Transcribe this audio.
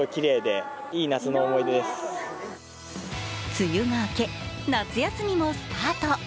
梅雨が明け夏休みもスタート。